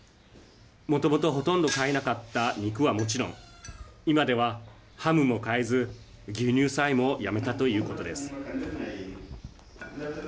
もともとほとんど買えなかった肉はもちろん今では、ハムも買えず牛乳さえもやめたということです。